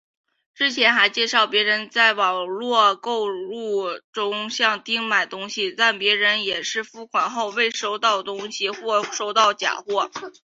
之前还介绍别人在网路购物中向丁买东西但别人也是付款后未收到东西或收到假货。